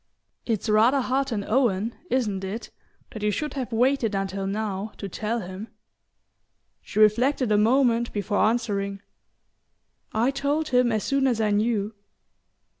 "It's rather hard on Owen, isn't it, that you should have waited until now to tell him?" She reflected a moment before answering. "I told him as soon as I knew."